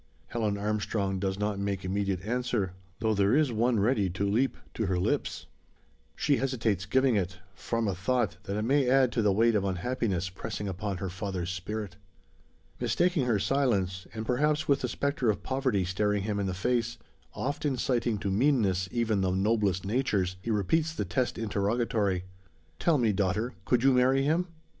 Helen Armstrong does not make immediate answer, though there is one ready to leap to her lips. She hesitates giving it, from a thought, that it may add to the weight of unhappiness pressing upon her father's spirit. Mistaking her silence, and perhaps with the spectre of poverty staring him in the face oft inciting to meanness, even the noblest natures he repeats the test interrogatory: "Tell me, daughter! Could you marry him?"